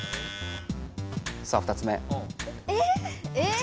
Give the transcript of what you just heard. さあ２つ目。